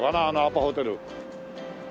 あのアパホテル。